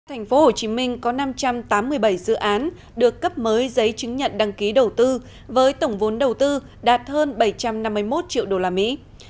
thành phố hồ chí minh có năm trăm tám mươi bảy dự án được cấp mới giấy chứng nhận đăng ký đầu tư với tổng vốn đầu tư đạt hơn bảy trăm năm mươi một triệu đô la mỹ